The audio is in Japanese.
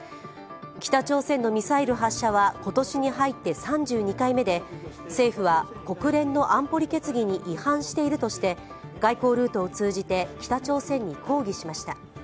北朝鮮のミサイル発射は今年に入って３２回目で政府は国連の安保理決議に違反しているとして外交ルートを通じて北朝鮮に抗議しました。